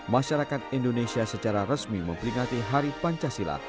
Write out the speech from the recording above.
masyarakat indonesia secara resmi memperingati hari pancasila